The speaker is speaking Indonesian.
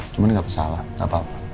cuman gak kesalah gak apa apa